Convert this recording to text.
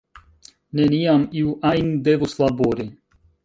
Neniam iu ajn devus labori.